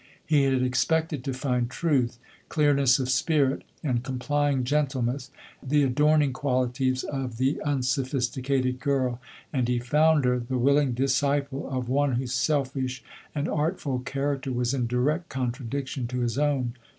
He had expected to find truth, clearness of spirit, and complying gentleness, the adorning qualities 120 LODORE. of the unsophisticated girl, and he found her the willing disciple of one whose selfish and artful character was in direct contradiction to his own.